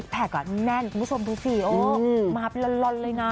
แผลกอะแน่นคุณผู้ชมทุกสี่โอ้มาเป็นร้อนเลยนะ